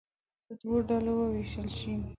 په دوو ډلو ووېشل شي.